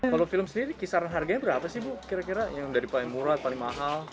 kalau film sendiri kisaran harganya berapa sih bu kira kira yang dari paling murah paling mahal